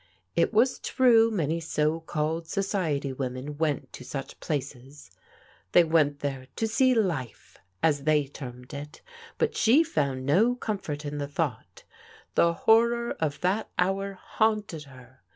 It was true many so called society women went to such places. They went there " to see life/' as they termed it, but she found no comfort in the thought The horror of that hour haunted her.